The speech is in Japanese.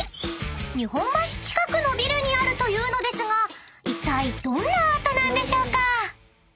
［日本橋近くのビルにあるというのですがいったいどんなアートなんでしょうか？］